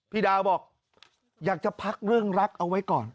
พี่ดาวบอกอยากจะพักเรื่องรักเอาไว้ก่อน